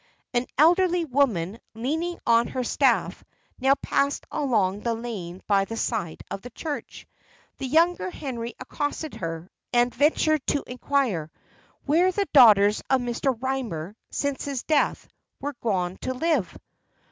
An elderly woman, leaning on her staff, now passed along the lane by the side of the church. The younger Henry accosted her, and ventured to inquire "where the daughters of Mr. Rymer, since his death, were gone to live?"